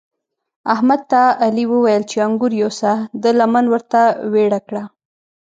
احمد ته علي وويل چې انګور یوسه؛ ده لمن ورته ويړه کړه.